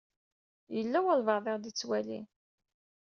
Yella walebɛaḍ i ɣ-d-ittwalin.